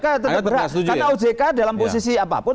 karena ojk dalam posisi apapun